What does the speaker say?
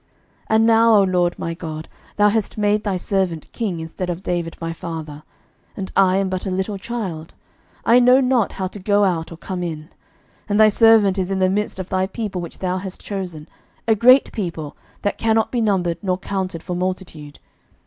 11:003:007 And now, O LORD my God, thou hast made thy servant king instead of David my father: and I am but a little child: I know not how to go out or come in. 11:003:008 And thy servant is in the midst of thy people which thou hast chosen, a great people, that cannot be numbered nor counted for multitude.